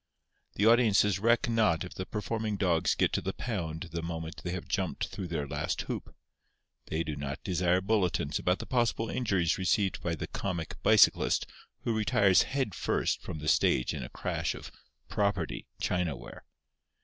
The audiences reck not if the performing dogs get to the pound the moment they have jumped through their last hoop. They do not desire bulletins about the possible injuries received by the comic bicyclist who retires head first from the stage in a crash of (property) china ware.